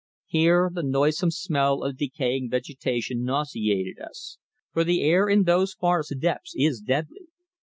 Here the noisome smell of decaying vegetation nauseated us, for the air in those forest depths is deadly.